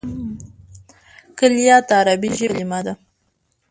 کلیات د عربي ژبي کليمه ده.